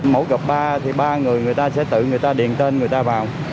mẫu gập ba thì ba người người ta sẽ tự người ta điền tên người ta vào